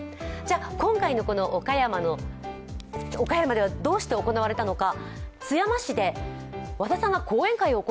今回のこの岡山ではどうして行われたのか。